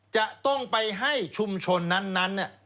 จะต้องไปให้ชุมชนนั้นนั้นเนี่ย